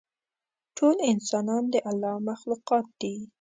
ټول انسانان د الله مخلوقات دي.